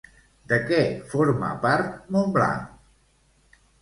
De què forma part Montblanc?